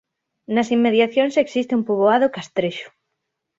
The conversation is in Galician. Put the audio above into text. Nas inmediacións existe un poboado castrexo.